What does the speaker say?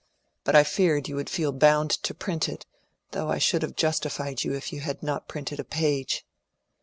But I feared you would feel bound to print it, though I should have justified you if you had not printed a page.